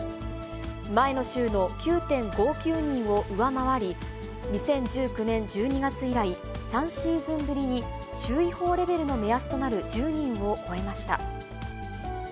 前の週の９．５９人を上回り、２０１９年１２月以来、３シーズンぶりに、注意報レベルの目安となる１０人を超えました。